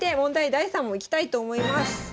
第３問いきたいと思います。